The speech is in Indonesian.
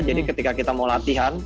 jadi ketika kita mau latihan